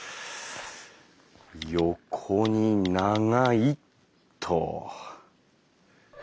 「横に長い！」っと。